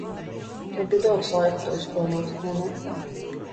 Tev bija daudz laika, to izplānot, vai ne?